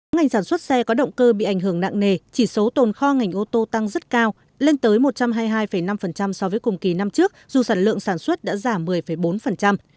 ngành sản xuất xe có động cơ bị ảnh hưởng nặng nề chỉ số tồn kho ngành ô tô tăng rất cao lên tới một trăm hai mươi hai năm so với cùng kỳ năm trước dù sản lượng sản xuất đã giảm một mươi bốn